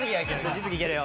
実技いけるよ。